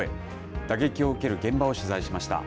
打撃を受ける現場を取材しました。